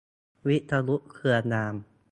วิษณุ เครืองาม